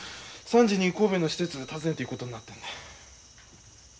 ３時に神戸の施設訪ねていくことになったんだ。